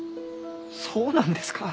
そうなんですか？